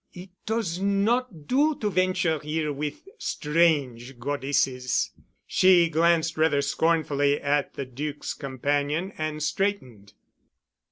"It does not do to venture here with strange Goddesses." She glanced rather scornfully at the Duc's companion and straightened.